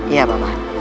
iya pak man